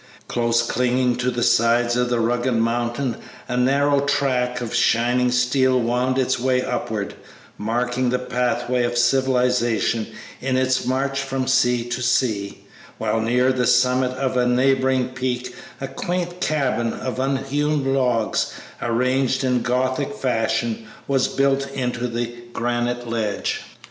Close clinging to the sides of a rugged mountain a narrow track of shining steel wound its way upward, marking the pathway of civilization in its march from sea to sea, while near the summit of a neighboring peak a quaint cabin of unhewn logs arranged in Gothic fashion was built into the granite ledge.